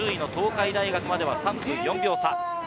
１０位の東海大学までは３分４秒差。